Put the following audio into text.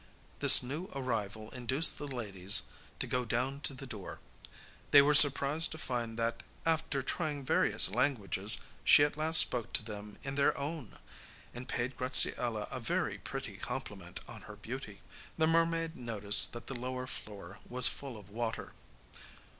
This new arrival induced the ladies to go down to the door. They were surprised to find that, after trying various languages, she at last spoke to them in their own, and paid Graziella a very pretty compliment on her beauty. The mermaid noticed that the lower floor was full of water.